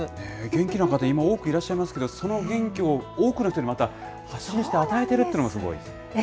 元気な方、今、多くいらっしゃいますけど、その元気を多くの人に発信して、与えているというのがすごい。